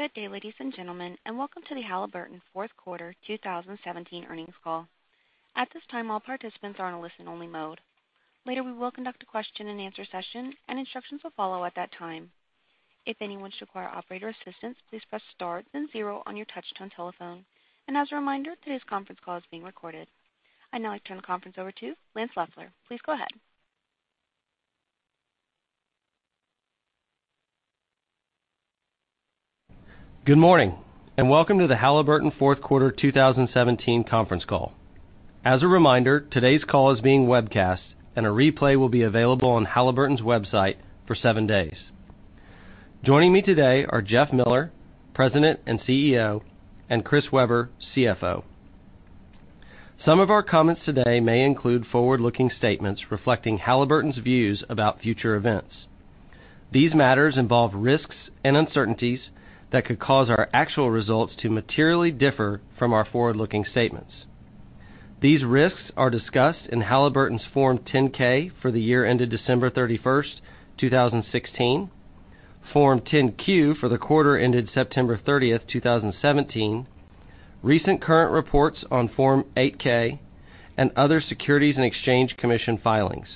Good day, ladies and gentlemen, and welcome to the Halliburton fourth quarter 2017 earnings call. At this time, all participants are in a listen-only mode. Later, we will conduct a question and answer session, and instructions will follow at that time. If anyone should require operator assistance, please press star then zero on your touch-tone telephone. As a reminder, today's conference call is being recorded. I'd now like to turn the conference over to Lance Loeffler. Please go ahead. Good morning, and welcome to the Halliburton fourth quarter 2017 conference call. As a reminder, today's call is being webcast, and a replay will be available on Halliburton's website for seven days. Joining me today are Jeff Miller, President and CEO, and Chris Weber, CFO. Some of our comments today may include forward-looking statements reflecting Halliburton's views about future events. These matters involve risks and uncertainties that could cause our actual results to materially differ from our forward-looking statements. These risks are discussed in Halliburton's Form 10-K for the year ended December 31st, 2016, Form 10-Q for the quarter ended September 30th, 2017, recent current reports on Form 8-K and other Securities and Exchange Commission filings.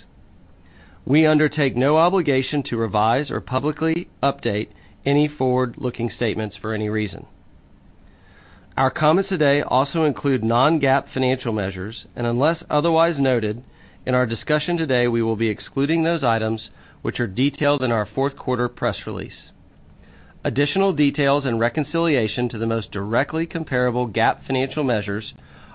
We undertake no obligation to revise or publicly update any forward-looking statements for any reason. Our comments today also include non-GAAP financial measures, and unless otherwise noted in our discussion today, we will be excluding those items, which are detailed in our fourth quarter press release. Additional details and reconciliation to the most directly comparable GAAP financial measures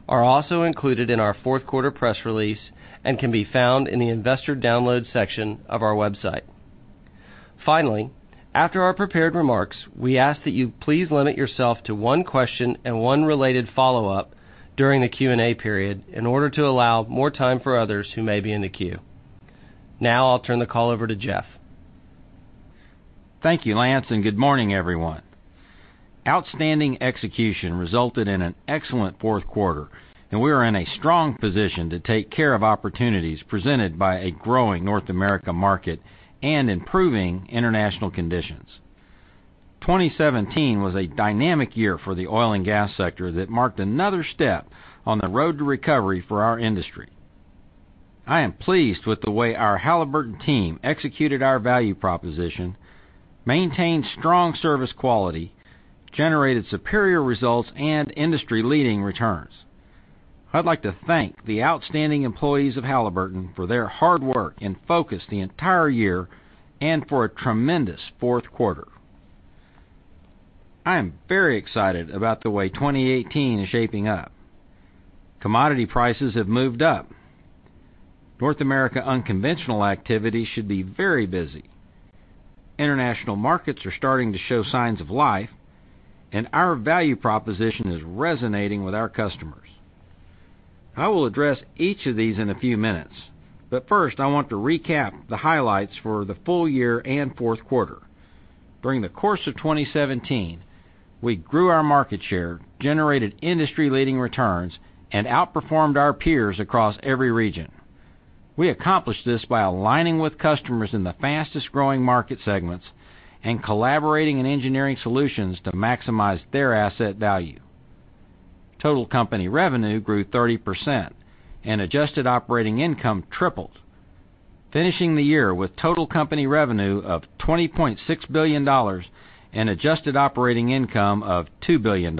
are also included in our fourth quarter press release and can be found in the investor download section of our website. Finally, after our prepared remarks, we ask that you please limit yourself to one question and one related follow-up during the Q&A period in order to allow more time for others who may be in the queue. Now I'll turn the call over to Jeff. Thank you, Lance, and good morning, everyone. Outstanding execution resulted in an excellent fourth quarter, and we are in a strong position to take care of opportunities presented by a growing North America market and improving international conditions. 2017 was a dynamic year for the oil and gas sector that marked another step on the road to recovery for our industry. I am pleased with the way our Halliburton team executed our value proposition, maintained strong service quality, generated superior results, and industry-leading returns. I'd like to thank the outstanding employees of Halliburton for their hard work and focus the entire year and for a tremendous fourth quarter. I am very excited about the way 2018 is shaping up. Commodity prices have moved up. North America unconventional activity should be very busy. International markets are starting to show signs of life, and our value proposition is resonating with our customers. I will address each of these in a few minutes. First, I want to recap the highlights for the full year and fourth quarter. During the course of 2017, we grew our market share, generated industry-leading returns, and outperformed our peers across every region. We accomplished this by aligning with customers in the fastest-growing market segments and collaborating in engineering solutions to maximize their asset value. Total company revenue grew 30% and adjusted operating income tripled, finishing the year with total company revenue of $20.6 billion and adjusted operating income of $2 billion.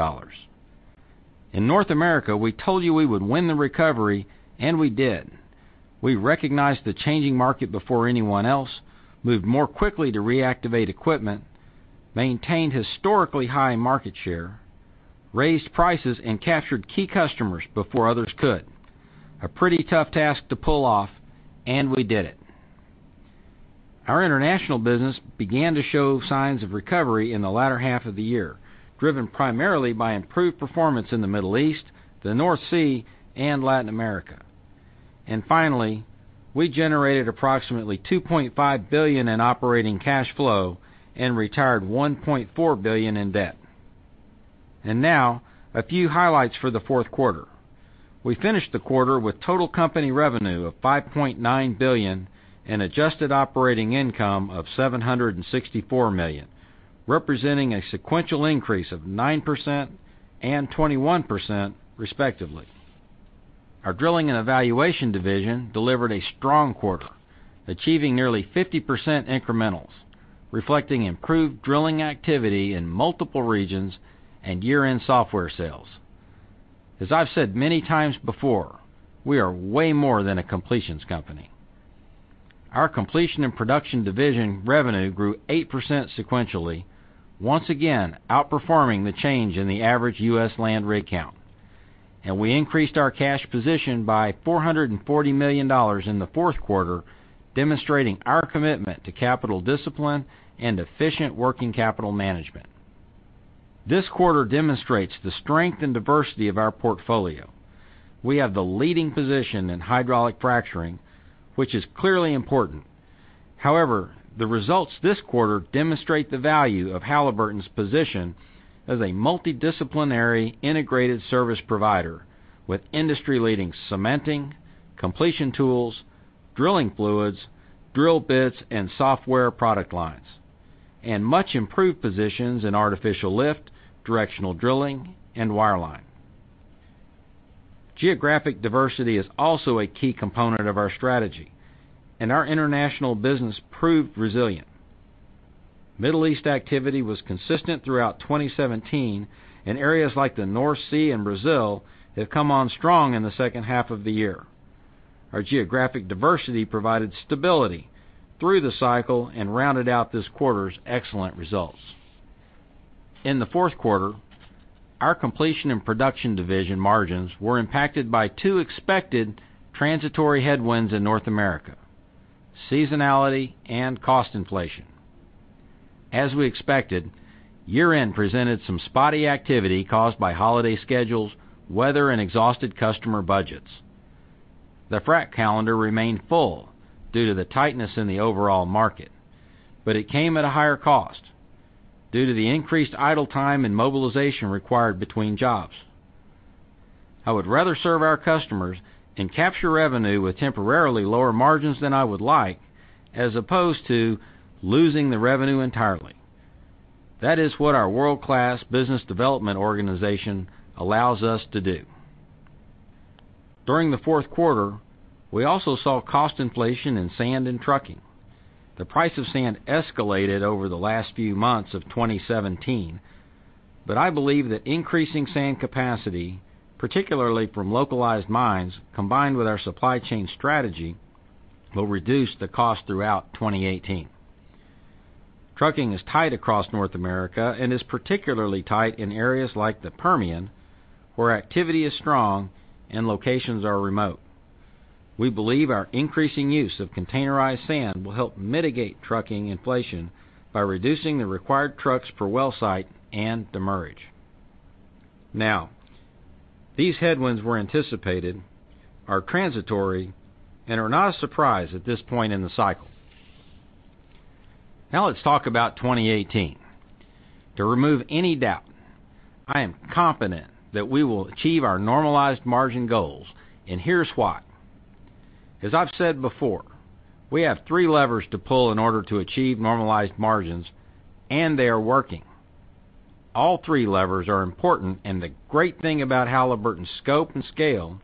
In North America, we told you we would win the recovery, and we did. We recognized the changing market before anyone else, moved more quickly to reactivate equipment, maintained historically high market share, raised prices, and captured key customers before others could. A pretty tough task to pull off, and we did it. Our international business began to show signs of recovery in the latter half of the year, driven primarily by improved performance in the Middle East, the North Sea, and Latin America. Finally, we generated approximately $2.5 billion in operating cash flow and retired $1.4 billion in debt. Now a few highlights for the fourth quarter. We finished the quarter with total company revenue of $5.9 billion and adjusted operating income of $764 million, representing a sequential increase of 9% and 21% respectively. Our Drilling and Evaluation division delivered a strong quarter, achieving nearly 50% incrementals, reflecting improved drilling activity in multiple regions and year-end software sales. As I've said many times before, we are way more than a completions company. Our Completion and Production division revenue grew 8% sequentially, once again outperforming the change in the average U.S. land rig count. We increased our cash position by $440 million in the fourth quarter, demonstrating our commitment to capital discipline and efficient working capital management. This quarter demonstrates the strength and diversity of our portfolio. We have the leading position in hydraulic fracturing, which is clearly important. However, the results this quarter demonstrate the value of Halliburton's position as a multidisciplinary integrated service provider with industry-leading cementing, completion tools, drilling fluids, drill bits, and software product lines, and much improved positions in artificial lift, directional drilling, and wireline. Geographic diversity is also a key component of our strategy, and our international business proved resilient. Middle East activity was consistent throughout 2017, and areas like the North Sea and Brazil have come on strong in the second half of the year. Our geographic diversity provided stability through the cycle and rounded out this quarter's excellent results. In the fourth quarter, our Completion and Production division margins were impacted by two expected transitory headwinds in North America, seasonality and cost inflation. As we expected, year-end presented some spotty activity caused by holiday schedules, weather, and exhausted customer budgets. The frack calendar remained full due to the tightness in the overall market, but it came at a higher cost due to the increased idle time and mobilization required between jobs. I would rather serve our customers and capture revenue with temporarily lower margins than I would like, as opposed to losing the revenue entirely. That is what our world-class business development organization allows us to do. During the fourth quarter, we also saw cost inflation in sand and trucking. The price of sand escalated over the last few months of 2017, I believe that increasing sand capacity, particularly from localized mines, combined with our supply chain strategy, will reduce the cost throughout 2018. Trucking is tight across North America and is particularly tight in areas like the Permian, where activity is strong and locations are remote. We believe our increasing use of containerized sand will help mitigate trucking inflation by reducing the required trucks per well site and demurrage. These headwinds we anticipated are transitory and are not a surprise at this point in the cycle. Let's talk about 2018. To remove any doubt, I am confident that we will achieve our normalized margin goals, and here's why. As I've said before, we have three levers to pull in order to achieve normalized margins, and they are working. All three levers are important, the great thing about Halliburton's scope and scale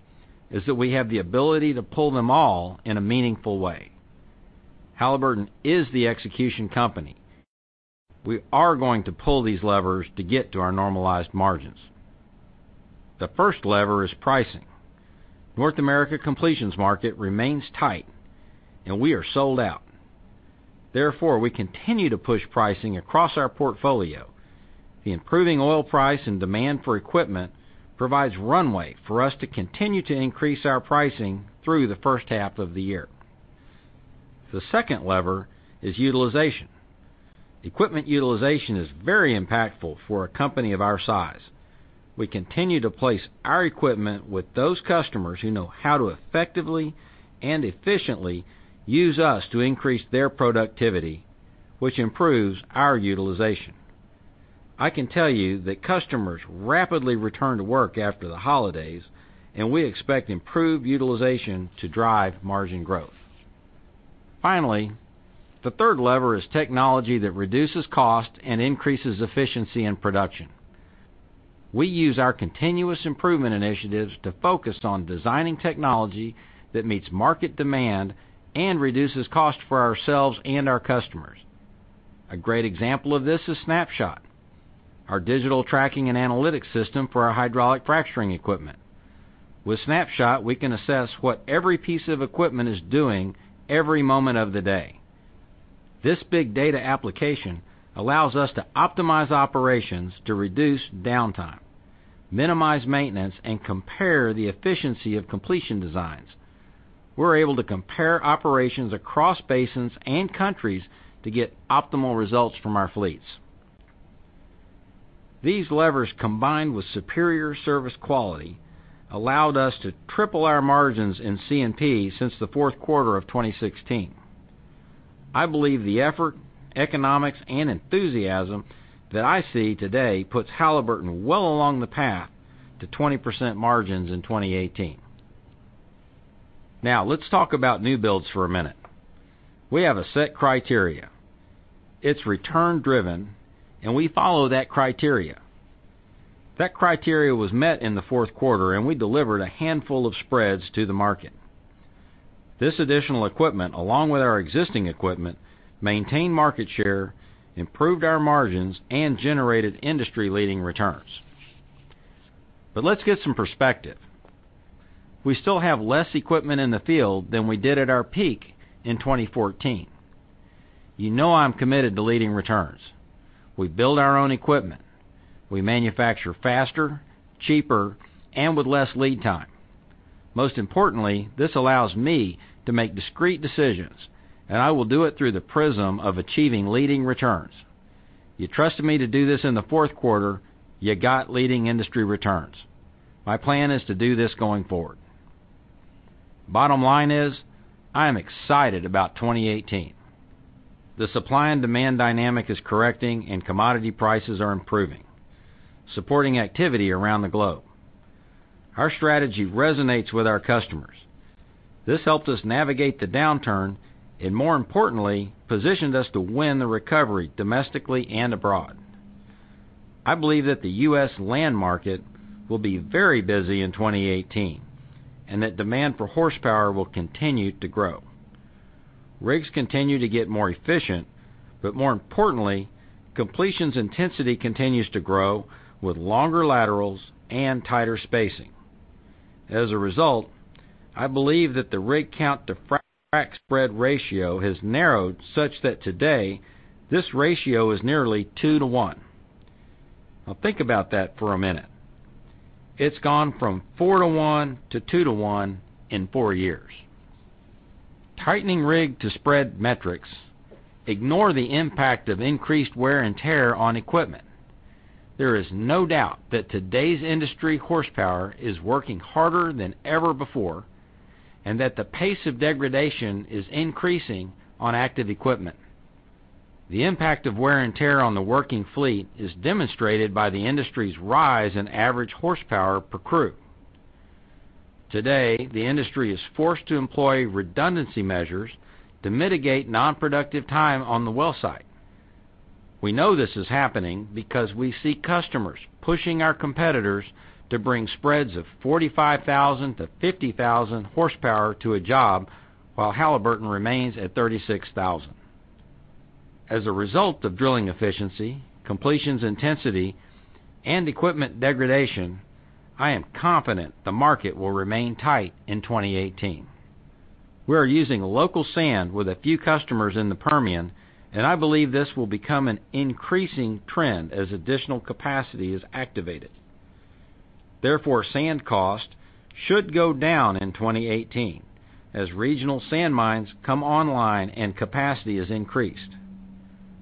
is that we have the ability to pull them all in a meaningful way. Halliburton is the execution company. We are going to pull these levers to get to our normalized margins. The first lever is pricing. North America completions market remains tight, and we are sold out. Therefore, we continue to push pricing across our portfolio. The improving oil price and demand for equipment provides runway for us to continue to increase our pricing through the first half of the year. The second lever is utilization. Equipment utilization is very impactful for a company of our size. We continue to place our equipment with those customers who know how to effectively and efficiently use us to increase their productivity, which improves our utilization. I can tell you that customers rapidly return to work after the holidays, we expect improved utilization to drive margin growth. Finally, the third lever is technology that reduces cost and increases efficiency in production. We use our continuous improvement initiatives to focus on designing technology that meets market demand and reduces cost for ourselves and our customers. A great example of this is Snapshot, our digital tracking and analytics system for our hydraulic fracturing equipment. With Snapshot, we can assess what every piece of equipment is doing every moment of the day. This big data application allows us to optimize operations to reduce downtime, minimize maintenance, and compare the efficiency of completion designs. We're able to compare operations across basins and countries to get optimal results from our fleets. These levers, combined with superior service quality, allowed us to triple our margins in C&P since the fourth quarter of 2016. I believe the effort, economics, and enthusiasm that I see today puts Halliburton well along the path to 20% margins in 2018. Let's talk about new builds for a minute. We have a set criteria. It's return-driven, and we follow that criteria. That criteria was met in the fourth quarter, and we delivered a handful of spreads to the market. This additional equipment, along with our existing equipment, maintained market share, improved our margins, and generated industry-leading returns. Let's get some perspective. We still have less equipment in the field than we did at our peak in 2014. You know I'm committed to leading returns. We build our own equipment. We manufacture faster, cheaper, and with less lead time. Most importantly, this allows me to make discrete decisions. I will do it through the prism of achieving leading returns. You trusted me to do this in the fourth quarter, you got leading industry returns. My plan is to do this going forward. Bottom line is I am excited about 2018. The supply and demand dynamic is correcting. Commodity prices are improving, supporting activity around the globe. Our strategy resonates with our customers. This helped us navigate the downturn. More importantly, positioned us to win the recovery domestically and abroad. I believe that the U.S. land market will be very busy in 2018. That demand for horsepower will continue to grow. Rigs continue to get more efficient. More importantly, completions intensity continues to grow with longer laterals and tighter spacing. As a result, I believe that the rig count to frac spread ratio has narrowed such that today, this ratio is nearly 2 to 1. Think about that for a minute. It's gone from 4 to 1 to 2 to 1 in four years. Tightening rig to spread metrics ignore the impact of increased wear and tear on equipment. There is no doubt that today's industry horsepower is working harder than ever before. That the pace of degradation is increasing on active equipment. The impact of wear and tear on the working fleet is demonstrated by the industry's rise in average horsepower per crew. Today, the industry is forced to employ redundancy measures to mitigate non-productive time on the well site. We know this is happening because we see customers pushing our competitors to bring spreads of 45,000 to 50,000 horsepower to a job while Halliburton remains at 36,000. As a result of drilling efficiency, completions intensity, and equipment degradation, I am confident the market will remain tight in 2018. We are using local sand with a few customers in the Permian. I believe this will become an increasing trend as additional capacity is activated. Therefore, sand cost should go down in 2018 as regional sand mines come online. Capacity is increased.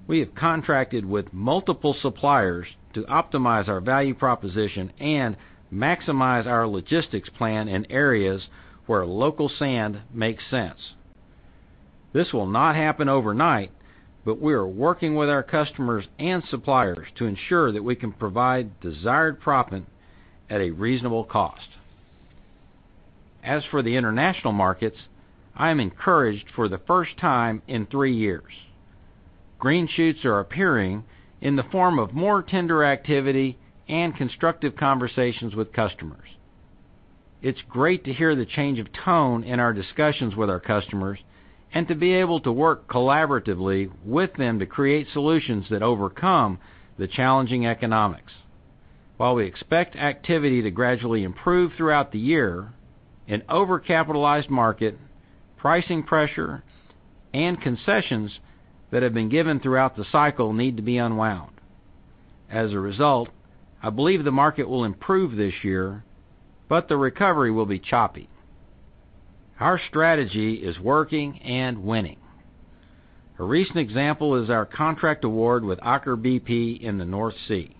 We have contracted with multiple suppliers to optimize our value proposition. Maximize our logistics plan in areas where local sand makes sense. This will not happen overnight. We are working with our customers and suppliers to ensure that we can provide desired proppant at a reasonable cost. As for the international markets, I am encouraged for the first time in three years. Green shoots are appearing in the form of more tender activity. Constructive conversations with customers. It's great to hear the change of tone in our discussions with our customers. To be able to work collaboratively with them to create solutions that overcome the challenging economics. While we expect activity to gradually improve throughout the year, an over-capitalized market, pricing pressure. Concessions that have been given throughout the cycle need to be unwound. As a result, I believe the market will improve this year. The recovery will be choppy. Our strategy is working. Winning. A recent example is our contract award with Aker BP in the North Sea.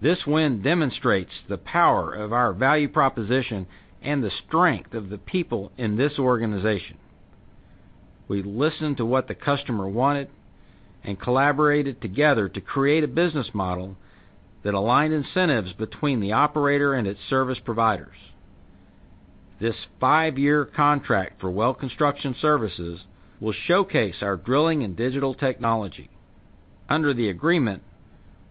This win demonstrates the power of our value proposition. The strength of the people in this organization. We listened to what the customer wanted and collaborated together to create a business model that aligned incentives between the operator and its service providers. This five-year contract for well construction services will showcase our drilling and digital technology. Under the agreement,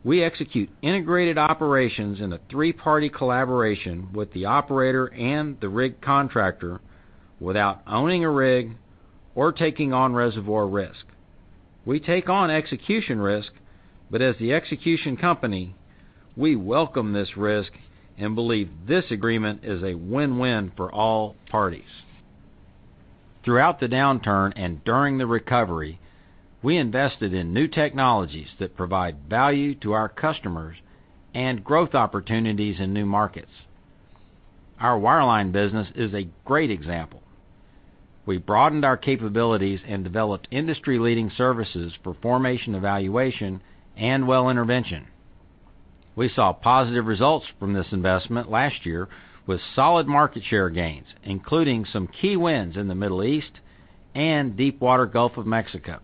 we execute integrated operations in a three-party collaboration with the operator and the rig contractor without owning a rig or taking on reservoir risk. We take on execution risk, but as the execution company, we welcome this risk and believe this agreement is a win-win for all parties. Throughout the downturn and during the recovery, we invested in new technologies that provide value to our customers and growth opportunities in new markets. Our wireline business is a great example. We broadened our capabilities and developed industry-leading services for formation evaluation and well intervention. We saw positive results from this investment last year with solid market share gains, including some key wins in the Middle East and Deepwater Gulf of Mexico.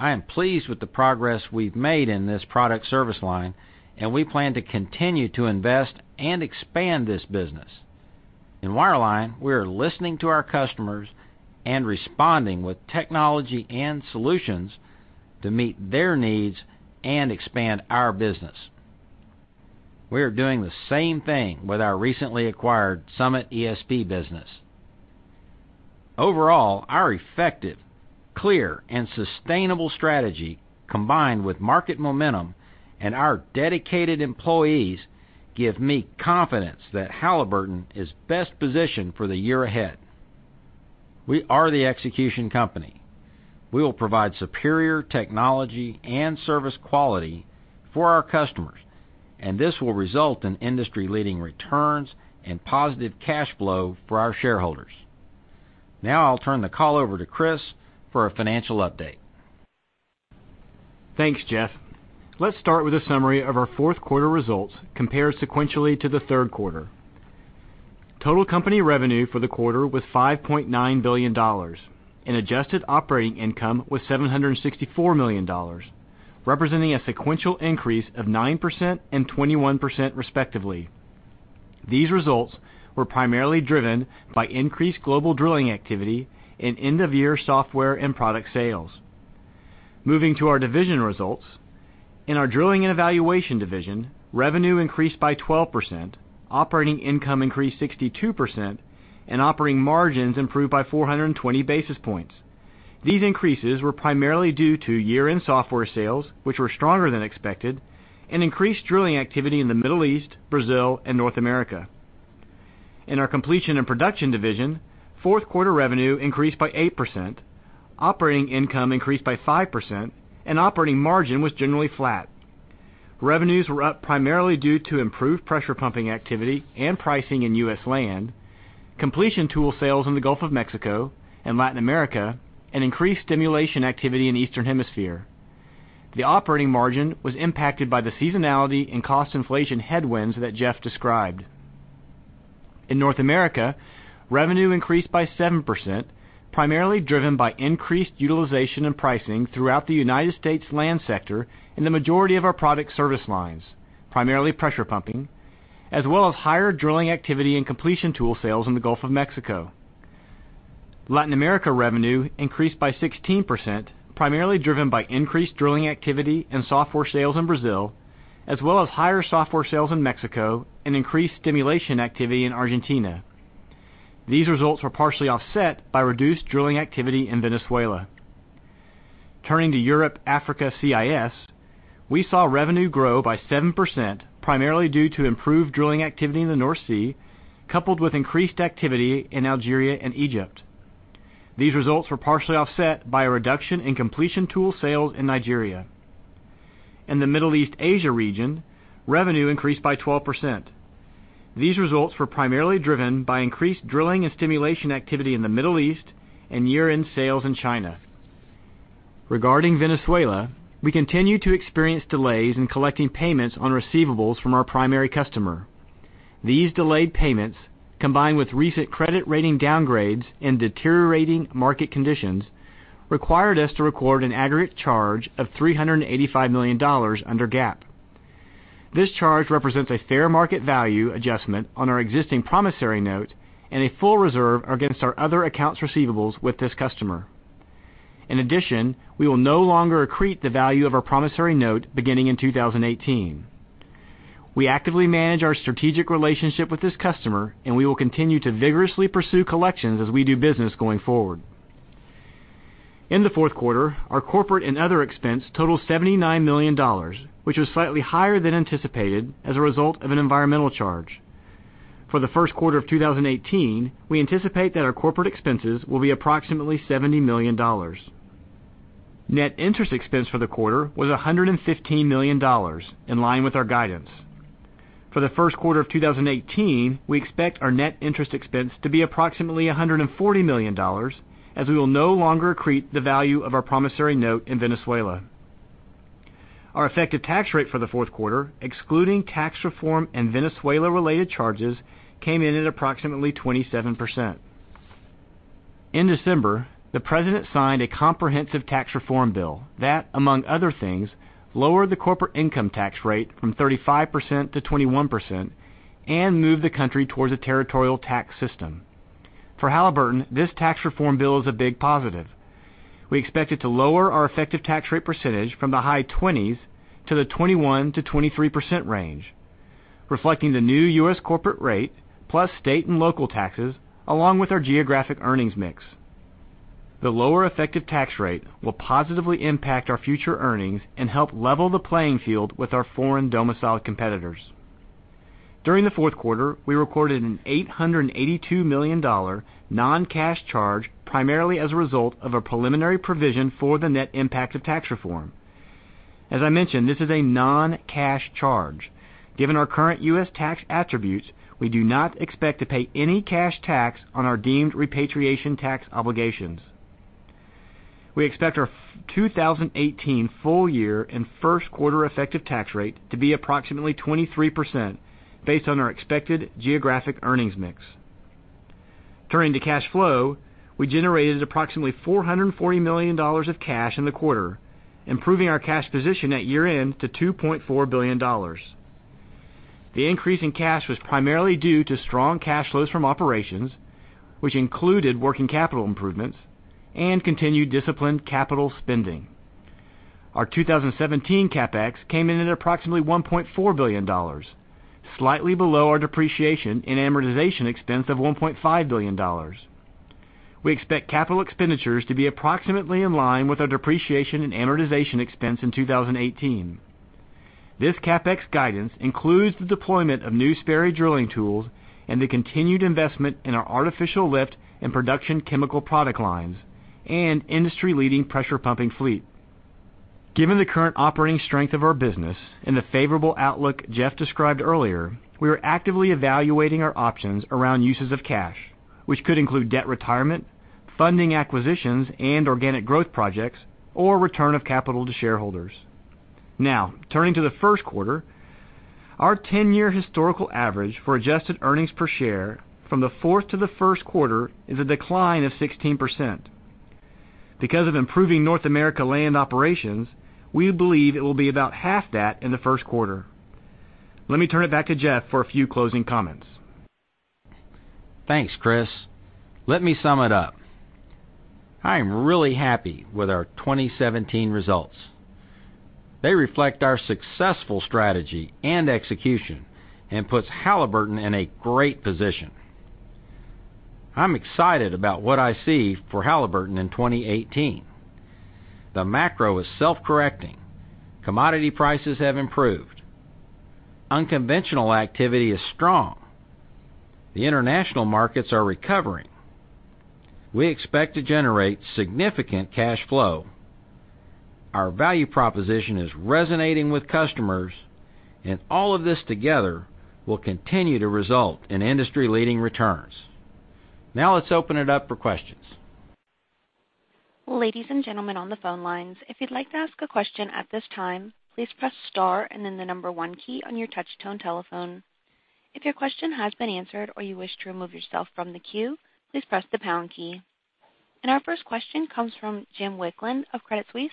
I am pleased with the progress we've made in this product service line, and we plan to continue to invest and expand this business. In wireline, we are listening to our customers and responding with technology and solutions to meet their needs and expand our business. We are doing the same thing with our recently acquired Summit ESP business. Overall, our effective, clear, and sustainable strategy, combined with market momentum and our dedicated employees, give me confidence that Halliburton is best positioned for the year ahead. We are the execution company. We will provide superior technology and service quality for our customers, and this will result in industry-leading returns and positive cash flow for our shareholders. Now I'll turn the call over to Chris for a financial update. Thanks, Jeff. Let's start with a summary of our fourth quarter results compared sequentially to the third quarter. Total company revenue for the quarter was $5.9 billion, and adjusted operating income was $764 million, representing a sequential increase of 9% and 21% respectively. These results were primarily driven by increased global drilling activity and end-of-year software and product sales. Moving to our division results. In our Drilling and Evaluation division, revenue increased by 12%, operating income increased 62%, and operating margins improved by 420 basis points. These increases were primarily due to year-end software sales, which were stronger than expected, and increased drilling activity in the Middle East, Brazil, and North America. In our Completion and Production division, fourth-quarter revenue increased by 8%, operating income increased by 5%, and operating margin was generally flat. Revenues were up primarily due to improved pressure pumping activity and pricing in U.S. land, completion tool sales in the Gulf of Mexico and Latin America, and increased stimulation activity in the Eastern Hemisphere. The operating margin was impacted by the seasonality and cost inflation headwinds that Jeff described. In North America, revenue increased by 7%, primarily driven by increased utilization and pricing throughout the U.S. land sector in the majority of our product service lines, primarily pressure pumping, as well as higher drilling activity and completion tool sales in the Gulf of Mexico. Latin America revenue increased by 16%, primarily driven by increased drilling activity and software sales in Brazil, as well as higher software sales in Mexico and increased stimulation activity in Argentina. These results were partially offset by reduced drilling activity in Venezuela. Turning to Europe, Africa, CIS, we saw revenue grow by 7%, primarily due to improved drilling activity in the North Sea, coupled with increased activity in Algeria and Egypt. These results were partially offset by a reduction in completion tool sales in Nigeria. In the Middle East/Asia region, revenue increased by 12%. These results were primarily driven by increased drilling and stimulation activity in the Middle East and year-end sales in China. Regarding Venezuela, we continue to experience delays in collecting payments on receivables from our primary customer. These delayed payments, combined with recent credit rating downgrades and deteriorating market conditions, required us to record an aggregate charge of $385 million under GAAP. This charge represents a fair market value adjustment on our existing promissory note and a full reserve against our other accounts receivables with this customer. In addition, we will no longer accrete the value of our promissory note beginning in 2018. We actively manage our strategic relationship with this customer, and we will continue to vigorously pursue collections as we do business going forward. In the fourth quarter, our corporate and other expense totaled $79 million, which was slightly higher than anticipated as a result of an environmental charge. For the first quarter of 2018, we anticipate that our corporate expenses will be approximately $70 million. Net interest expense for the quarter was $115 million, in line with our guidance. For the first quarter of 2018, we expect our net interest expense to be approximately $140 million as we will no longer accrete the value of our promissory note in Venezuela. Our effective tax rate for the fourth quarter, excluding tax reform and Venezuela-related charges, came in at approximately 27%. In December, the President signed a comprehensive tax reform bill that, among other things, lowered the corporate income tax rate from 35% to 21% and moved the country towards a territorial tax system. For Halliburton, this tax reform bill is a big positive. We expect it to lower our effective tax rate percentage from the high 20s to the 21%-23% range, reflecting the new U.S. corporate rate plus state and local taxes, along with our geographic earnings mix. The lower effective tax rate will positively impact our future earnings and help level the playing field with our foreign domiciled competitors. During the fourth quarter, we recorded an $882 million non-cash charge, primarily as a result of a preliminary provision for the net impact of tax reform. As I mentioned, this is a non-cash charge. Given our current U.S. tax attributes, we do not expect to pay any cash tax on our deemed repatriation tax obligations. We expect our 2018 full year and first quarter effective tax rate to be approximately 23% based on our expected geographic earnings mix. Turning to cash flow, we generated approximately $440 million of cash in the quarter, improving our cash position at year-end to $2.4 billion. The increase in cash was primarily due to strong cash flows from operations, which included working capital improvements and continued disciplined capital spending. Our 2017 CapEx came in at approximately $1.4 billion, slightly below our depreciation and amortization expense of $1.5 billion. We expect capital expenditures to be approximately in line with our depreciation and amortization expense in 2018. This CapEx guidance includes the deployment of new Sperry Drilling tools and the continued investment in our artificial lift and production chemical product lines and industry-leading pressure pumping fleet. Given the current operating strength of our business and the favorable outlook Jeff described earlier, we are actively evaluating our options around uses of cash, which could include debt retirement, funding acquisitions and organic growth projects or return of capital to shareholders. Turning to the first quarter, our 10-year historical average for adjusted earnings per share from the fourth to the first quarter is a decline of 16%. Because of improving North America land operations, we believe it will be about half that in the first quarter. Let me turn it back to Jeff for a few closing comments. Thanks, Chris. Let me sum it up. I am really happy with our 2017 results. They reflect our successful strategy and execution and puts Halliburton in a great position. I'm excited about what I see for Halliburton in 2018. The macro is self-correcting. Commodity prices have improved. Unconventional activity is strong. The international markets are recovering. We expect to generate significant cash flow. Our value proposition is resonating with customers, and all of this together will continue to result in industry-leading returns. Let's open it up for questions. Ladies and gentlemen on the phone lines, if you'd like to ask a question at this time, please press star and then the number one key on your touch-tone telephone. If your question has been answered or you wish to remove yourself from the queue, please press the pound key. Our first question comes from Jim Wicklund of Credit Suisse.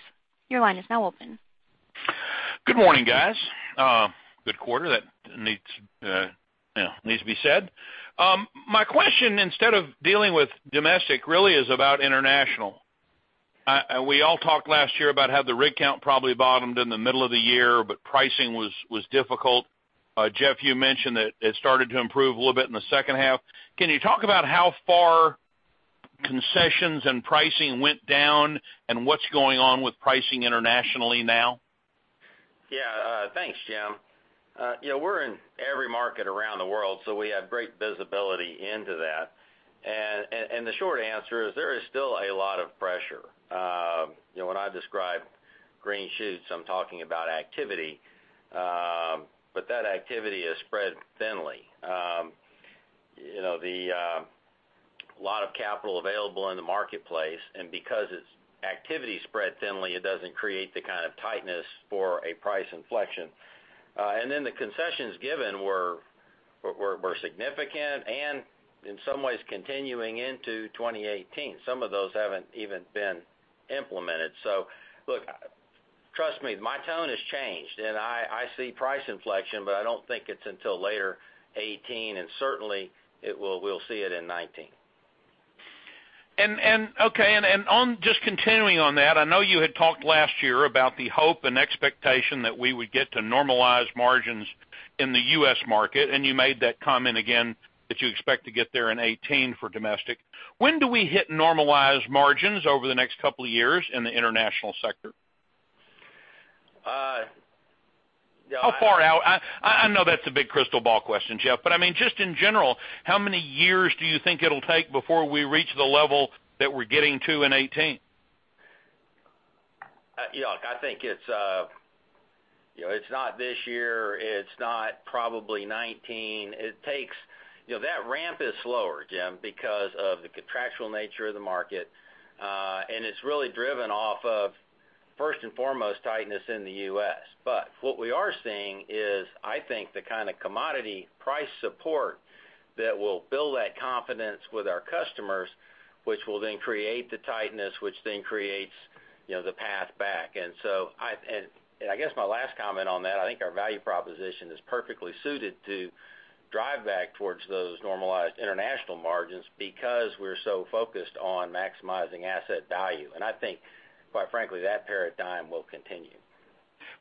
Your line is now open. Good morning, guys. Good quarter, that needs to be said. My question, instead of dealing with domestic, really is about international. We all talked last year about how the rig count probably bottomed in the middle of the year, but pricing was difficult. Jeff, you mentioned that it started to improve a little bit in the second half. Can you talk about how far concessions and pricing went down and what's going on with pricing internationally now? Yeah. Thanks, Jim. We're in every market around the world, so we have great visibility into that. The short answer is there is still a lot of pressure. When I describe green shoots, I'm talking about activity. That activity is spread thinly. A lot of capital available in the marketplace, and because its activity is spread thinly, it doesn't create the kind of tightness for a price inflection. The concessions given were significant and in some ways continuing into 2018. Some of those haven't even been implemented. Look, trust me, my tone has changed, and I see price inflection, but I don't think it's until later 2018, and certainly we'll see it in 2019. Okay. Just continuing on that, I know you had talked last year about the hope and expectation that we would get to normalized margins in the U.S. market, and you made that comment again that you expect to get there in 2018 for domestic. When do we hit normalized margins over the next couple of years in the international sector? Yeah- How far out? I know that's a big crystal ball question, Jeff, but just in general, how many years do you think it'll take before we reach the level that we're getting to in 2018? I think it's not this year. It's not probably 2019. That ramp is slower, Jim, because of the contractual nature of the market. It's really driven off of, first and foremost, tightness in the U.S. What we are seeing is, I think, the kind of commodity price support that will build that confidence with our customers, which will then create the tightness, which then creates the path back. I guess my last comment on that, I think our value proposition is perfectly suited to drive back towards those normalized international margins because we're so focused on maximizing asset value. I think, quite frankly, that paradigm will continue.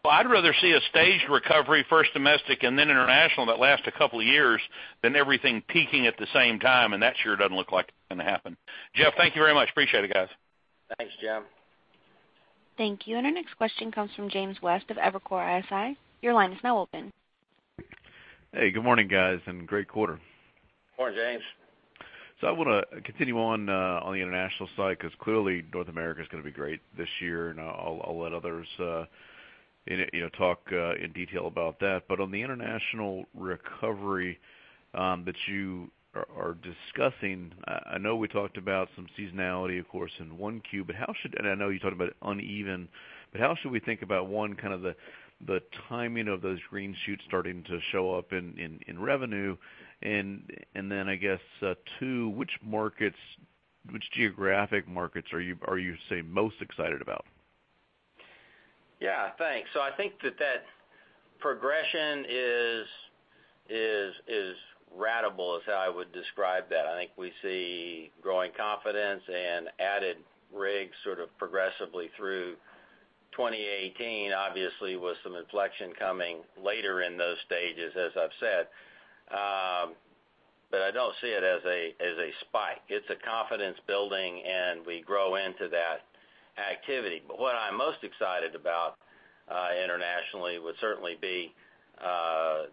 Well, I'd rather see a staged recovery, first domestic and then international, that lasts a couple of years than everything peaking at the same time, and that sure doesn't look like it's going to happen. Jeff, thank you very much. Appreciate it, guys. Thanks, Jim. Thank you. Our next question comes from James West of Evercore ISI. Your line is now open. Hey, good morning, guys, great quarter. Morning, James. I want to continue on the international side because clearly North America is going to be great this year, I'll let others talk in detail about that. On the international recovery that you are discussing, I know we talked about some seasonality, of course, in 1Q, I know you talked about uneven, but how should we think about, one, kind of the timing of those green shoots starting to show up in revenue, I guess, two, which geographic markets are you most excited about? Yeah. Thanks. I think that that progression is ratable, is how I would describe that. I think we see growing confidence and added rigs sort of progressively through 2018, obviously with some inflection coming later in those stages, as I've said. I don't see it as a spike. It's a confidence building, we grow into that activity. What I'm most excited about internationally would certainly be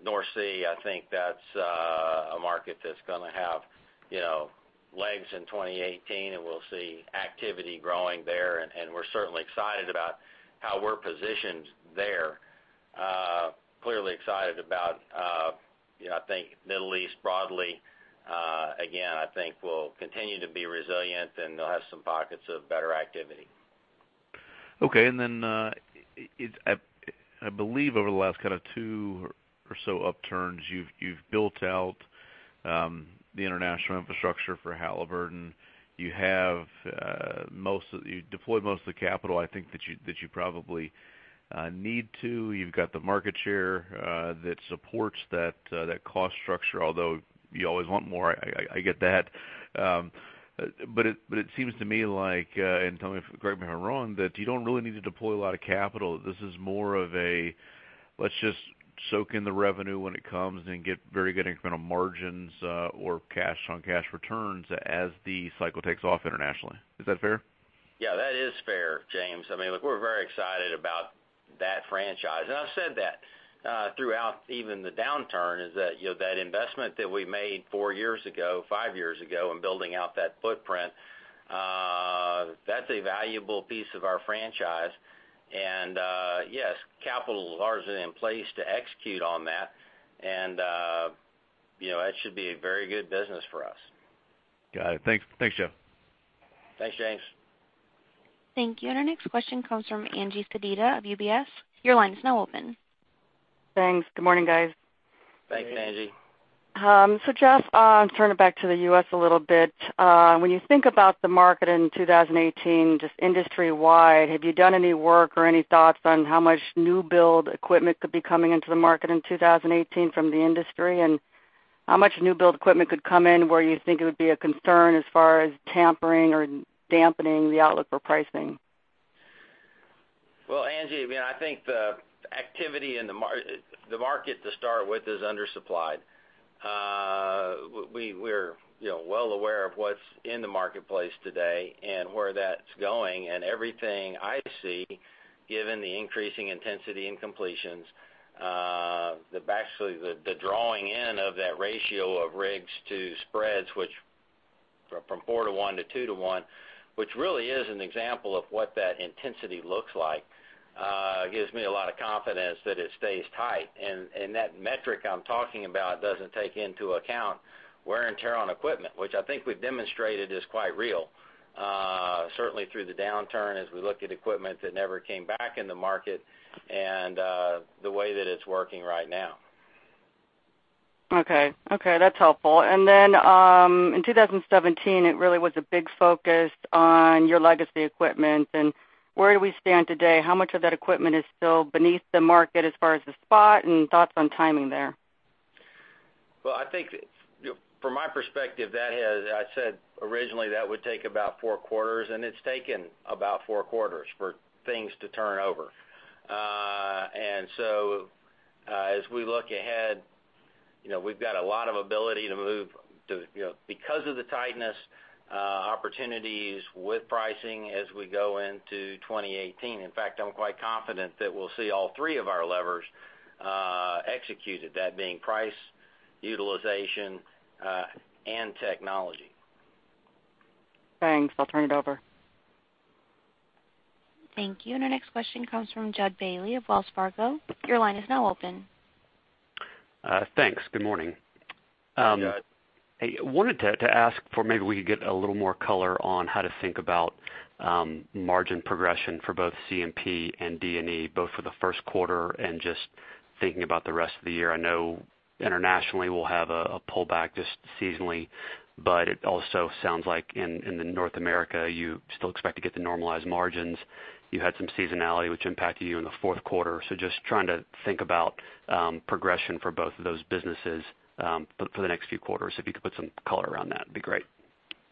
North Sea. I think that's a market that's going to have legs in 2018, we'll see activity growing there, we're certainly excited about how we're positioned there. Clearly excited about I think Middle East broadly, again, I think will continue to be resilient and they'll have some pockets of better activity. Okay. I believe over the last kind of two or so upturns, you've built out the international infrastructure for Halliburton. You deployed most of the capital, I think that you probably need to. You've got the market share that supports that cost structure, although you always want more, I get that. It seems to me like, and correct me if I'm wrong, that you don't really need to deploy a lot of capital. This is more of a, let's just soak in the revenue when it comes and get very good incremental margins or cash on cash returns as the cycle takes off internationally. Is that fair? Yeah, that is fair, James. Look, we're very excited about that franchise. I said that throughout even the downturn, is that investment that we made four years ago, five years ago in building out that footprint, that's a valuable piece of our franchise. Yes, capital is largely in place to execute on that and that should be a very good business for us. Got it. Thanks, Jeff. Thanks, James. Thank you. Our next question comes from Angeline Sedita of UBS. Your line is now open. Thanks. Good morning, guys. Thanks, Angie. Jeff, turn it back to the U.S. a little bit. When you think about the market in 2018, just industry wide, have you done any work or any thoughts on how much new build equipment could be coming into the market in 2018 from the industry, and how much new build equipment could come in, where you think it would be a concern as far as tampering or dampening the outlook for pricing? Well, Angie, I think the activity in the market to start with is undersupplied. We're well aware of what's in the marketplace today and where that's going. Everything I see, given the increasing intensity in completions, actually the drawing in of that ratio of rigs to spreads, which from 4 to 1 to 2 to 1, which really is an example of what that intensity looks like, gives me a lot of confidence that it stays tight. That metric I'm talking about doesn't take into account wear and tear on equipment, which I think we've demonstrated is quite real. Certainly through the downturn as we look at equipment that never came back in the market and the way that it's working right now. Okay. That's helpful. Then, in 2017, it really was a big focus on your legacy equipment and where do we stand today? How much of that equipment is still beneath the market as far as the spot and thoughts on timing there? Well, I think from my perspective, I said originally that would take about four quarters, and it's taken about four quarters for things to turn over. As we look ahead, we've got a lot of ability to move. Because of the tightness, opportunities with pricing as we go into 2018. In fact, I'm quite confident that we'll see all three of our levers executed, that being price, utilization, and technology. Thanks. I'll turn it over. Thank you. Our next question comes from Jud Bailey of Wells Fargo. Your line is now open. Thanks. Good morning. Good. Hey, wanted to ask for maybe we could get a little more color on how to think about margin progression for both C&P and D&E, both for the first quarter and just thinking about the rest of the year. I know internationally will have a pullback just seasonally, but it also sounds like in North America, you still expect to get the normalized margins. You had some seasonality which impacted you in the fourth quarter. Just trying to think about progression for both of those businesses for the next few quarters. If you could put some color around that, it'd be great.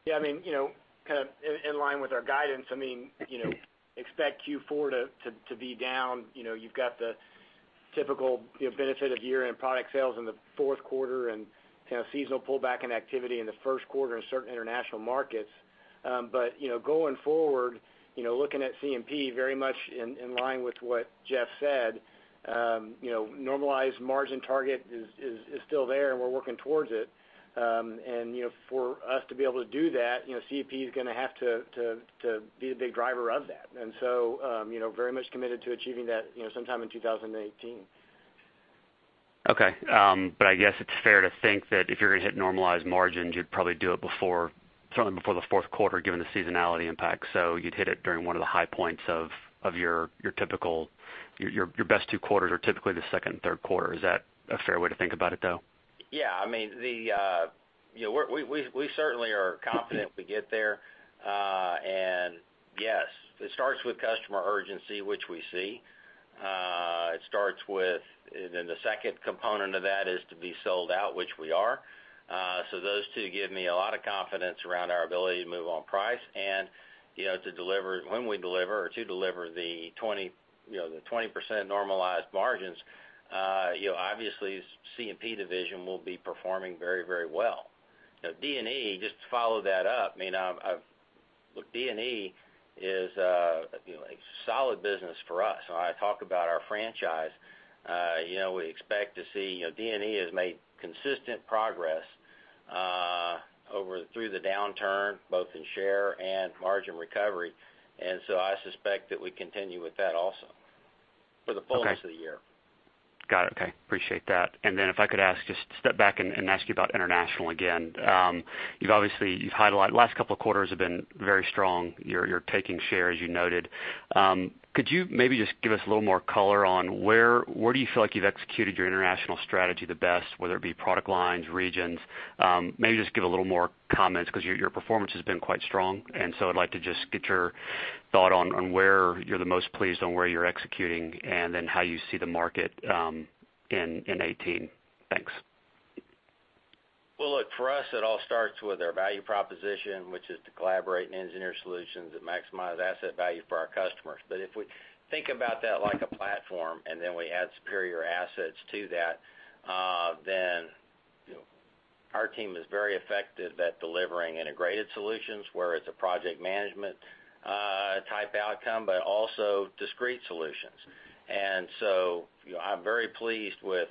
Yeah, in line with our guidance, expect Q4 to be down. You've got the typical benefit of year-end product sales in the fourth quarter and seasonal pullback in activity in the first quarter in certain international markets. Going forward, looking at C&P very much in line with what Jeff said. Normalized margin target is still there, and we're working towards it. For us to be able to do that, C&P is going to have to be the big driver of that. Very much committed to achieving that sometime in 2018. I guess it's fair to think that if you're going to hit normalized margins, you'd probably do it certainly before the fourth quarter, given the seasonality impact. You'd hit it during one of the high points of your best two quarters, or typically the second and third quarter. Is that a fair way to think about it, though? Yeah. We certainly are confident we get there. Yes, it starts with customer urgency, which we see. It starts with, and then the second component of that is to be sold out, which we are. Those two give me a lot of confidence around our ability to move on price and to deliver when we deliver or to deliver the 20% normalized margins. Obviously C&P division will be performing very well. D&E, just to follow that up, D&E is a solid business for us. I talk about our franchise. D&E has made consistent progress over through the downturn, both in share and margin recovery. I suspect that we continue with that also for the fullness of the year. Got it. Okay. Appreciate that. If I could ask, just step back and ask you about international again. You've obviously, you've highlighted last couple of quarters have been very strong. You're taking share, as you noted. Could you maybe just give us a little more color on where do you feel like you've executed your international strategy the best, whether it be product lines, regions? Maybe just give a little more comments because your performance has been quite strong, I'd like to just get your thought on where you're the most pleased on where you're executing and then how you see the market in 2018. Thanks. Look, for us, it all starts with our value proposition, which is to collaborate and engineer solutions that maximize asset value for our customers. If we think about that like a platform, then we add superior assets to that, our team is very effective at delivering integrated solutions where it's a project management type outcome, but also discrete solutions. I'm very pleased with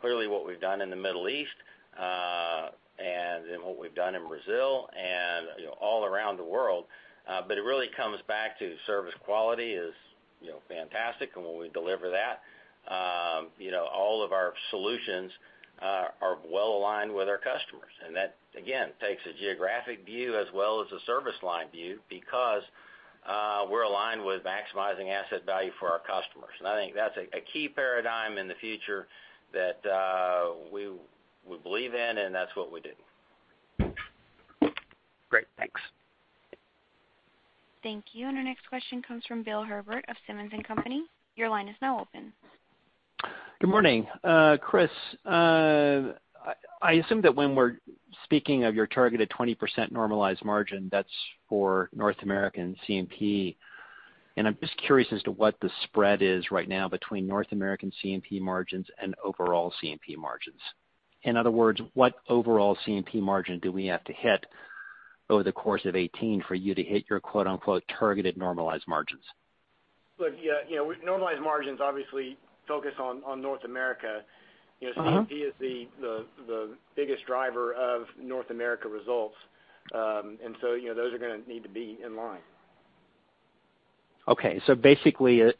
clearly what we've done in the Middle East, and then what we've done in Brazil, and all around the world. It really comes back to service quality is fantastic, and when we deliver that all of our solutions are well aligned with our customers. That, again, takes a geographic view as well as a service line view because we're aligned with maximizing asset value for our customers. I think that's a key paradigm in the future that we believe in, and that's what we do. Great. Thanks. Thank you. Our next question comes from Bill Herbert of Simmons & Company. Your line is now open. Good morning. Chris, I assume that when we're speaking of your targeted 20% normalized margin, that's for North American C&P. I'm just curious as to what the spread is right now between North American C&P margins and overall C&P margins. In other words, what overall C&P margin do we have to hit over the course of 2018 for you to hit your, quote-unquote, targeted normalized margins? Look, with normalized margins, obviously focus on North America. C&P is the biggest driver of North America results, those are going to need to be in line. Okay. Basically,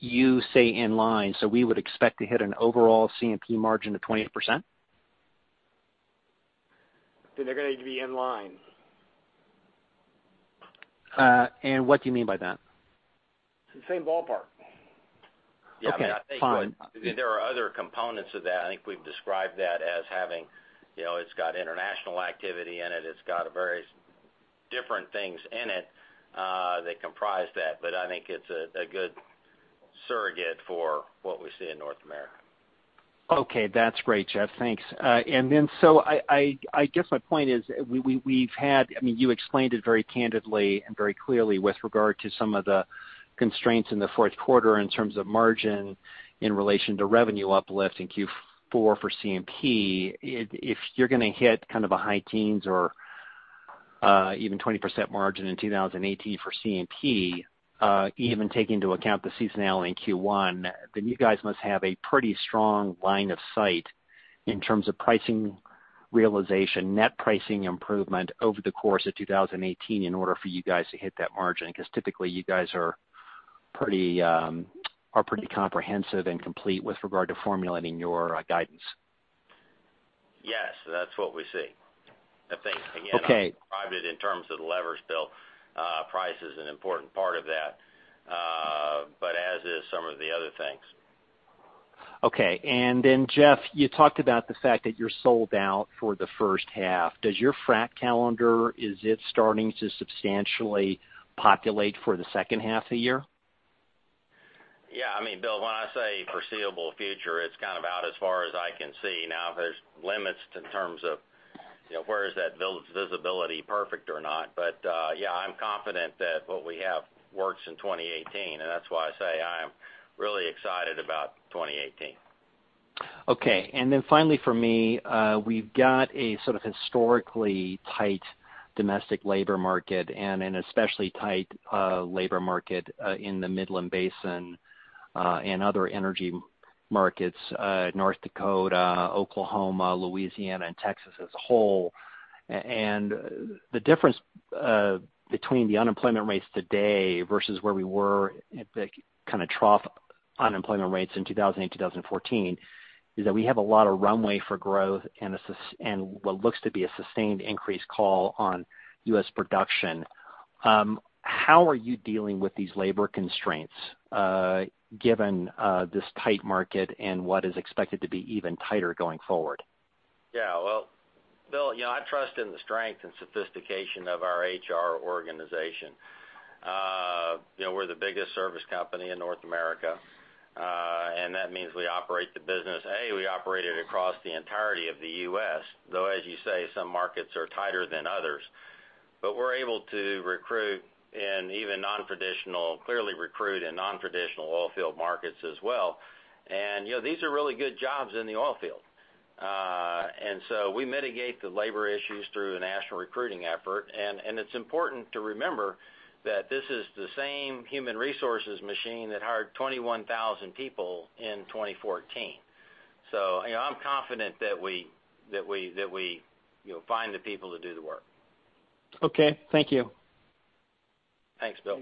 you say in line, we would expect to hit an overall C&P margin of 20%? They're going to need to be in line. What do you mean by that? The same ballpark. Yeah, I think there are other components of that. I think we've described that as having, it's got international activity in it. It's got various different things in it that comprise that. I think it's a good surrogate for what we see in North America. Okay. That's great, Jeff, thanks. You explained it very candidly and very clearly with regard to some of the constraints in the fourth quarter in terms of margin in relation to revenue uplift in Q4 for C&P. If you're going to hit kind of a high teens or even 20% margin in 2018 for C&P, even taking into account the seasonality in Q1, you guys must have a pretty strong line of sight in terms of pricing realization, net pricing improvement over the course of 2018 in order for you guys to hit that margin. Typically you guys are pretty comprehensive and complete with regard to formulating your guidance. Yes. That's what we see. Okay. I'm private in terms of the levers, Bill. Price is an important part of that, but as is some of the other things. Jeff, you talked about the fact that you're sold out for the first half. Does your frac calendar, is it starting to substantially populate for the second half of the year? Bill, when I say foreseeable future, it's kind of out as far as I can see now. There's limits in terms of where is that visibility perfect or not. I'm confident that what we have works in 2018, and that's why I say I am really excited about 2018. Finally for me, we've got a sort of historically tight domestic labor market and an especially tight labor market in the Midland Basin and other energy markets, North Dakota, Oklahoma, Louisiana, and Texas as a whole. The difference between the unemployment rates today versus where we were at the kind of trough unemployment rates in 2008, 2014, is that we have a lot of runway for growth and what looks to be a sustained increased call on U.S. production. How are you dealing with these labor constraints given this tight market and what is expected to be even tighter going forward? Yeah. Well, Bill, I trust in the strength and sophistication of our HR organization. We're the biggest service company in North America, that means we operate the business. We operate it across the entirety of the U.S., though, as you say, some markets are tighter than others. We're able to recruit in even non-traditional, clearly recruit in non-traditional oil field markets as well. These are really good jobs in the oil field. So we mitigate the labor issues through a national recruiting effort. It's important to remember that this is the same human resources machine that hired 21,000 people in 2014. I'm confident that we'll find the people to do the work. Okay. Thank you. Thanks, Bill.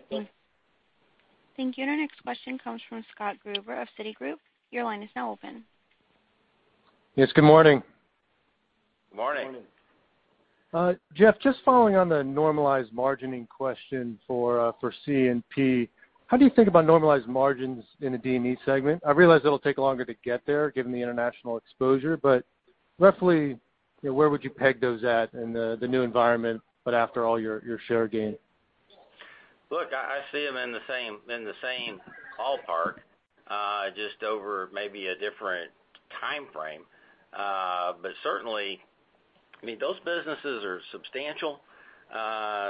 Thank you. Our next question comes from Scott Gruber of Citigroup. Your line is now open. Yes, good morning. Good morning. Good morning. Jeff, just following on the normalized margining question for C&P, how do you think about normalized margins in a D&E segment? I realize it'll take longer to get there given the international exposure, but roughly, where would you peg those at in the new environment, but after all your share gain? Look, I see them in the same ballpark, just over maybe a different timeframe. Certainly, those businesses are substantial.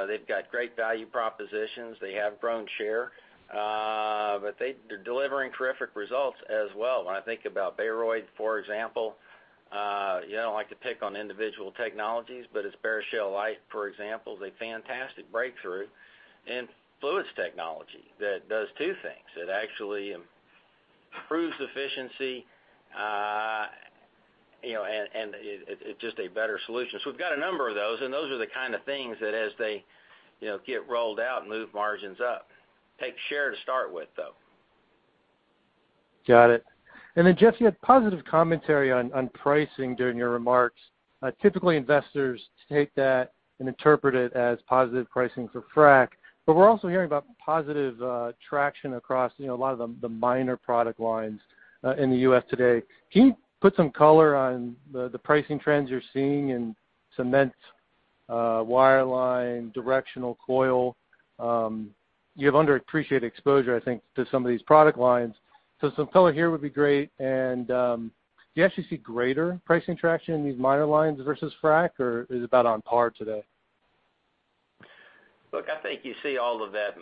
They've got great value propositions. They have grown share. They're delivering terrific results as well. When I think about Baroid, for example, I don't like to pick on individual technologies, but its BaraShale Lite, for example, is a fantastic breakthrough in fluids technology that does two things. It actually improves efficiency, and it's just a better solution. We've got a number of those, and those are the kind of things that as they get rolled out and move margins up. Take share to start with, though. Got it. Then, Jeff, you had positive commentary on pricing during your remarks. Typically, investors take that and interpret it as positive pricing for frack. We're also hearing about positive traction across a lot of the minor product lines in the U.S. today. Can you put some color on the pricing trends you're seeing in cement, wireline, directional coil? You have underappreciated exposure, I think, to some of these product lines. Some color here would be great. Do you actually see greater pricing traction in these minor lines versus frack, or is it about on par today? Look, I think you see all of that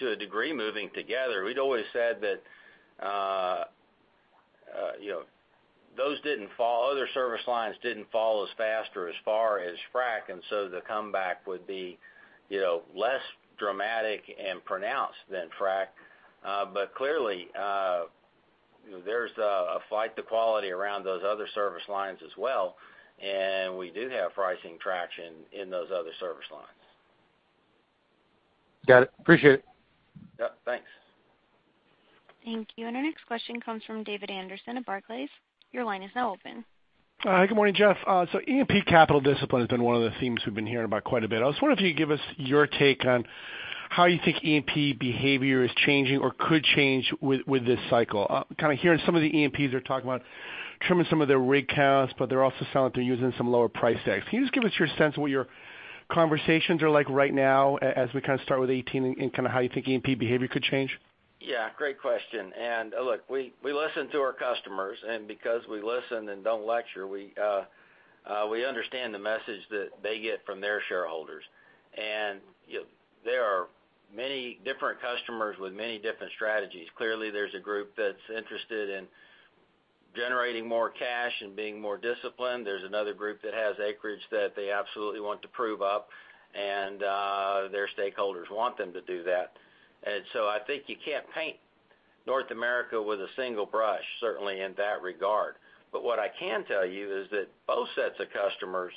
to a degree moving together. We'd always said that other service lines didn't fall as fast or as far as frack, and the comeback would be less dramatic and pronounced than frack. Clearly, there's a flight to quality around those other service lines as well, and we do have pricing traction in those other service lines. Got it. Appreciate it. Yep, thanks. Thank you. Our next question comes from David Anderson of Barclays. Your line is now open. Hi, good morning, Jeff. E&P capital discipline has been one of the themes we've been hearing about quite a bit. I was wondering if you could give us your take on how you think E&P behavior is changing or could change with this cycle. Hearing some of the E&Ps are talking about trimming some of their rig counts, but they're also saying that they're using some lower price tags. Can you just give us your sense of what your conversations are like right now as we start with 2018, and how you think E&P behavior could change? Yeah, great question. Look, we listen to our customers, and because we listen and don't lecture, we understand the message that they get from their shareholders. There are many different customers with many different strategies. Clearly, there's a group that's interested in generating more cash and being more disciplined. There's another group that has acreage that they absolutely want to prove up, and their stakeholders want them to do that. I think you can't paint North America with a single brush, certainly in that regard. What I can tell you is that both sets of customers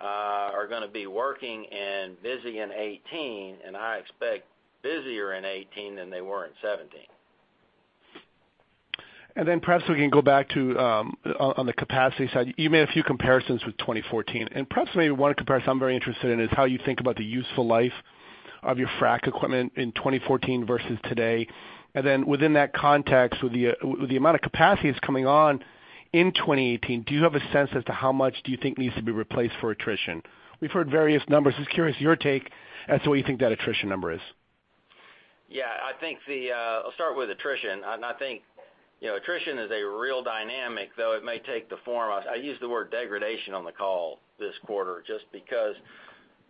are going to be working and busy in 2018, and I expect busier in 2018 than they were in 2017. Perhaps we can go back to on the capacity side. You made a few comparisons with 2014, and perhaps maybe one comparison I'm very interested in is how you think about the useful life of your frack equipment in 2014 versus today. Within that context, with the amount of capacity that's coming on in 2018, do you have a sense as to how much do you think needs to be replaced for attrition? We've heard various numbers. Just curious, your take as to what you think that attrition number is. I'll start with attrition. I think attrition is a real dynamic, though it may take the form of I used the word degradation on the call this quarter, just because,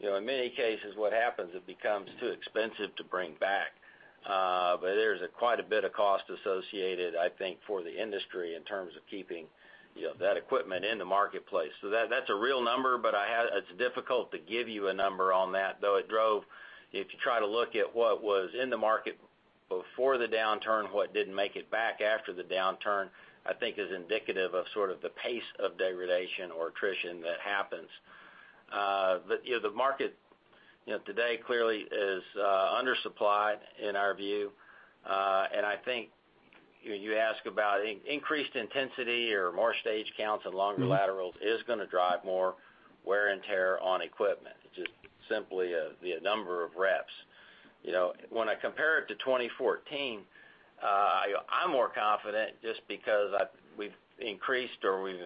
in many cases, what happens, it becomes too expensive to bring back. There's quite a bit of cost associated, I think, for the industry in terms of keeping that equipment in the marketplace. That's a real number, but it's difficult to give you a number on that, though it drove if you try to look at what was in the market before the downturn, what didn't make it back after the downturn, I think is indicative of sort of the pace of degradation or attrition that happens. The market today clearly is undersupplied in our view. I think you ask about increased intensity or more stage counts and longer laterals is going to drive more wear and tear on equipment. It's just simply the number of reps. When I compare it to 2014, I'm more confident just because we've increased or we've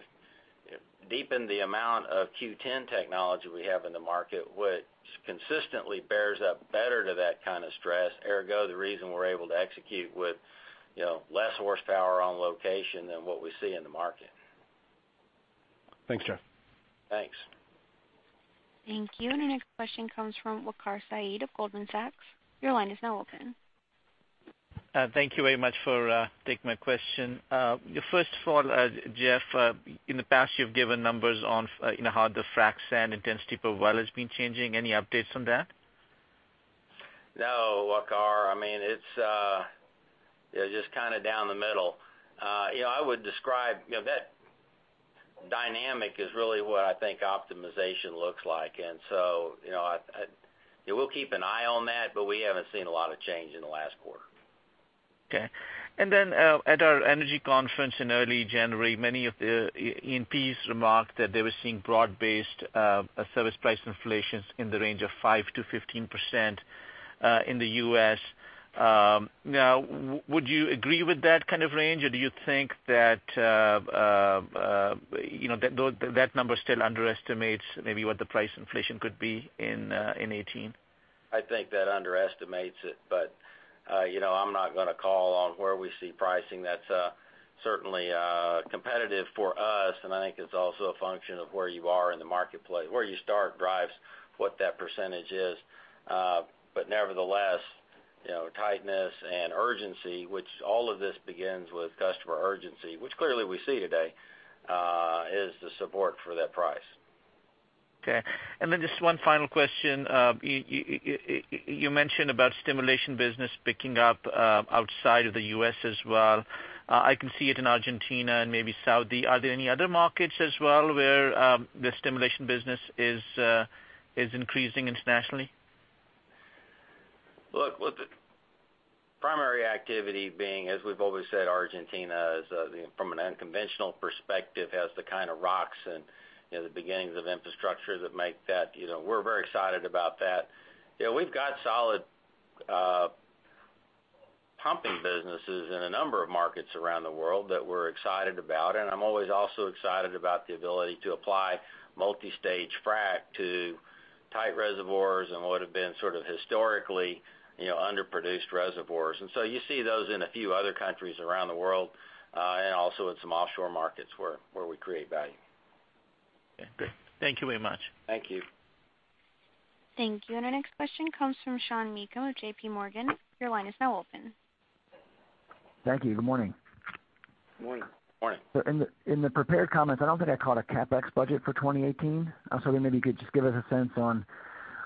deepened the amount of Q10 technology we have in the market, which consistently bears up better to that kind of stress. Ergo, the reason we're able to execute with less horsepower on location than what we see in the market. Thanks, Jeff. Thanks. Thank you. Our next question comes from Waqar Syed of Goldman Sachs. Your line is now open. Thank you very much for taking my question. First of all, Jeff, in the past you've given numbers on how the frac sand intensity per well has been changing. Any updates on that? No, Waqar. I mean, I think optimization looks like. So, we'll keep an eye on that, but we haven't seen a lot of change in the last quarter. Okay. At our energy conference in early January, many of the E&Ps remarked that they were seeing broad-based service price inflations in the range of 5%-15% in the U.S. Would you agree with that kind of range, or do you think that that number still underestimates maybe what the price inflation could be in 2018? I think that underestimates it, but I'm not going to call on where we see pricing. That's certainly competitive for us, and I think it's also a function of where you are in the marketplace. Where you start drives what that percentage is. Nevertheless, tightness and urgency, which all of this begins with customer urgency, which clearly we see today, is the support for that price. Okay. Just one final question. You mentioned about stimulation business picking up outside of the U.S. as well. I can see it in Argentina and maybe Saudi. Are there any other markets as well where the stimulation business is increasing internationally? Look, with the primary activity being, as we've always said, Argentina, from an unconventional perspective, has the kind of rocks and the beginnings of infrastructure that make that. We're very excited about that. We've got solid pumping businesses in a number of markets around the world that we're excited about, and I'm always also excited about the ability to apply multi-stage frack to tight reservoirs and what have been sort of historically underproduced reservoirs. You see those in a few other countries around the world, and also in some offshore markets where we create value. Okay, great. Thank you very much. Thank you. Thank you. Our next question comes from Sean Meakim of J.P. Morgan. Your line is now open. Thank you. Good morning. Morning. Morning. In the prepared comments, I don't think I caught a CapEx budget for 2018. I was hoping maybe you could just give us a sense on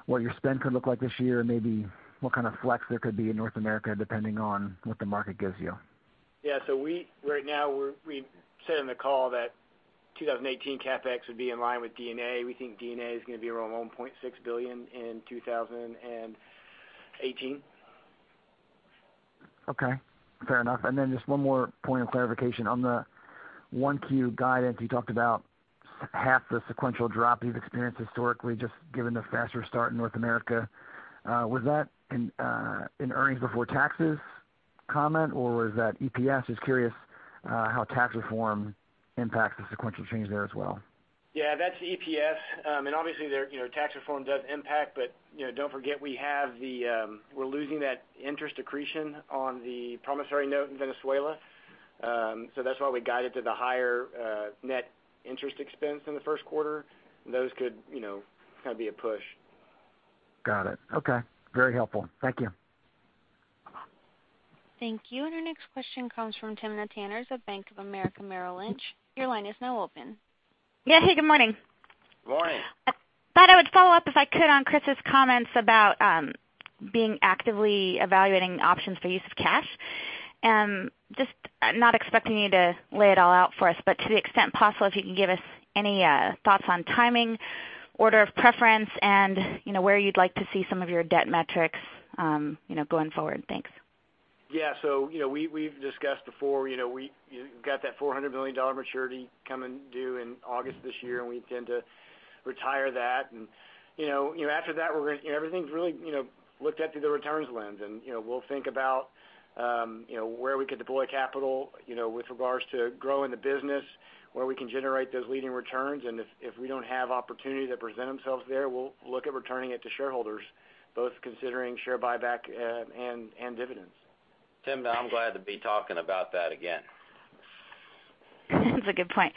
what your spend could look like this year, maybe what kind of flex there could be in North America, depending on what the market gives you. Yeah. Right now we said on the call that 2018 CapEx would be in line with D&A. We think D&A is going to be around $1.6 billion in 2018. Okay, fair enough. Just one more point of clarification. On the 1Q guidance, you talked about half the sequential drop you've experienced historically, just given the faster start in North America. Was that an earnings before taxes comment, or was that EPS? Just curious how tax reform impacts the sequential change there as well. Yeah, that's EPS. Obviously, tax reform does impact, but don't forget, we're losing that interest accretion on the promissory note in Venezuela. That's why we guided to the higher net interest expense in the first quarter. Those could kind of be a push. Got it. Okay. Very helpful. Thank you. Thank you. Our next question comes from Timna Tanners of Bank of America Merrill Lynch. Your line is now open. Hey, good morning. Morning. I thought I would follow up, if I could, on Chris's comments about being actively evaluating options for use of cash. Not expecting you to lay it all out for us, but to the extent possible, if you can give us any thoughts on timing, order of preference, and where you'd like to see some of your debt metrics going forward. Thanks. We've discussed before, we've got that $400 million maturity coming due in August this year, and we intend to retire that. After that, everything's really looked at through the returns lens. We'll think about where we could deploy capital, with regards to growing the business, where we can generate those leading returns. If we don't have opportunities that present themselves there, we'll look at returning it to shareholders, both considering share buyback and dividends. Timna, I'm glad to be talking about that again. That's a good point.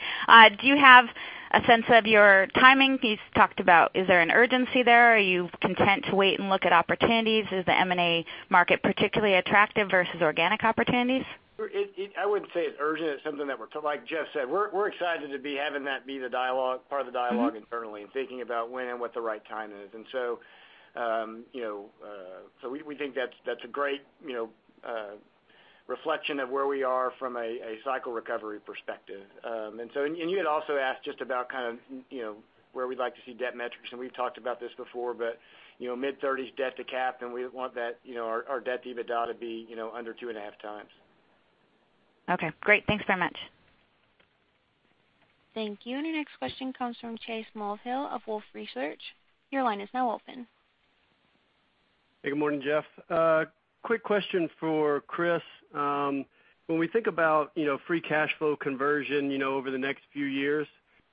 Do you have a sense of your timing? You've talked about, is there an urgency there? Are you content to wait and look at opportunities? Is the M&A market particularly attractive versus organic opportunities? I wouldn't say it's urgent. It's something that, like Jeff said, we're excited to be having that be part of the dialogue internally and thinking about when and what the right time is. We think that's a great reflection of where we are from a cycle recovery perspective. You had also asked just about kind of where we'd like to see debt metrics, but mid-30s debt to cap, and we want our debt to EBITDA to be under two and a half times. Okay, great. Thanks very much. Thank you. Your next question comes from Chase Mulvihill of Wolfe Research. Your line is now open. Hey, good morning, Jeff. A quick question for Chris. When we think about free cash flow conversion over the next few years,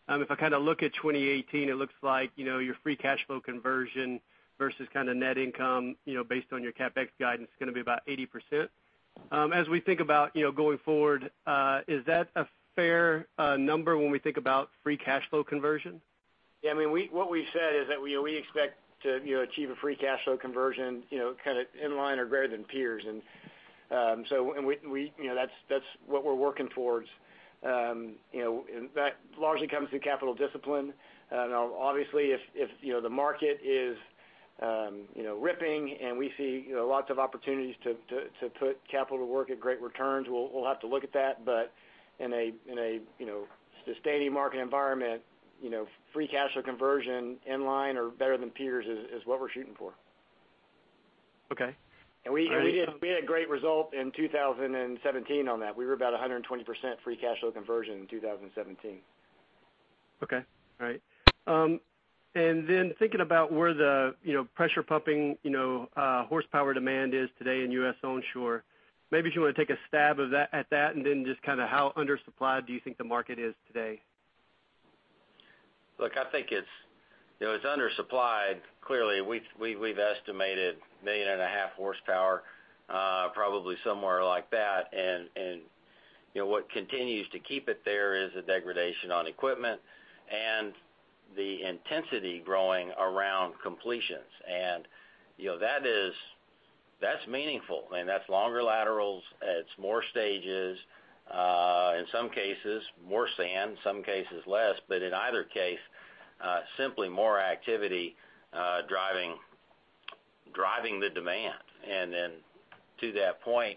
if I kind of look at 2018, it looks like your free cash flow conversion versus kind of net income, based on your CapEx guidance, is going to be about 80%. As we think about going forward, is that a fair number when we think about free cash flow conversion? Yeah, what we've said is that we expect to achieve a free cash flow conversion kind of in line or greater than peers. That's what we're working towards. That largely comes through capital discipline. Obviously, if the market is ripping, and we see lots of opportunities to put capital to work at great returns, we'll have to look at that. In a sustaining market environment, free cash flow conversion in line or better than peers is what we're shooting for. Okay. All right. We had great result in 2017 on that. We were about 120% free cash flow conversion in 2017. Thinking about where the pressure pumping horsepower demand is today in U.S. onshore, maybe if you want to take a stab at that, then just how undersupplied do you think the market is today? Look, I think it's undersupplied. Clearly, we've estimated 1.5 million horsepower, probably somewhere like that. What continues to keep it there is the degradation on equipment and the intensity growing around completions. That's meaningful. That's longer laterals, it's more stages, in some cases, more sand, some cases less. In either case, simply more activity driving the demand. To that point,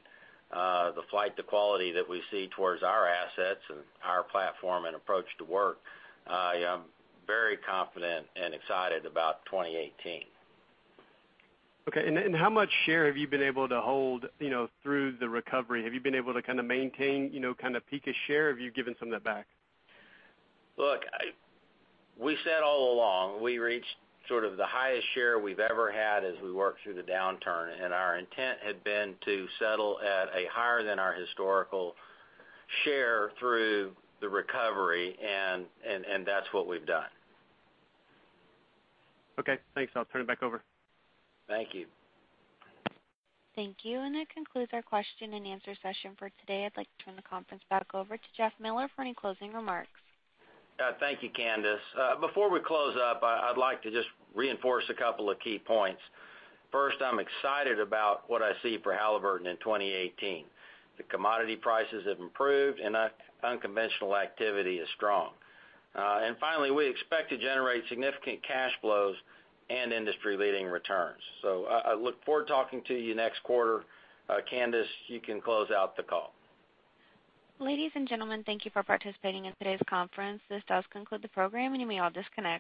the flight to quality that we see towards our assets and our platform and approach to work, I am very confident and excited about 2018. Okay. How much share have you been able to hold through the recovery? Have you been able to maintain peak of share, or have you given some of that back? Look, we said all along, we reached sort of the highest share we've ever had as we worked through the downturn. Our intent had been to settle at a higher than our historical share through the recovery, and that's what we've done. Okay, thanks. I'll turn it back over. Thank you. Thank you. That concludes our question and answer session for today. I'd like to turn the conference back over to Jeff Miller for any closing remarks. Thank you, Candice. Before we close up, I'd like to just reinforce a couple of key points. First, I'm excited about what I see for Halliburton in 2018. The commodity prices have improved, and unconventional activity is strong. Finally, we expect to generate significant cash flows and industry-leading returns. I look forward talking to you next quarter. Candice, you can close out the call. Ladies and gentlemen, thank you for participating in today's conference. This does conclude the program, and you may all disconnect.